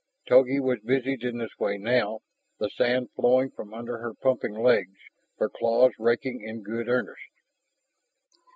Togi was busied in this way now, the sand flowing from under her pumping legs, her claws raking in good earnest.